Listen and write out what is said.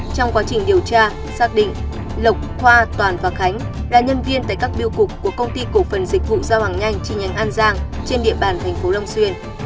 trong quá trình điều tra xác định lộc khoa toàn và khánh là nhân viên tại các biêu cục của công ty cổ phần dịch vụ giao hàng nhanh chi nhánh an giang trên địa bàn thành phố long xuyên